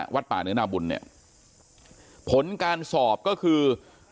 วัดป่าเนื้อนาบุญเนี่ยผลการสอบก็คือ